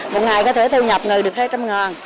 một ngày có thể thu nhập người được hai trăm linh ngàn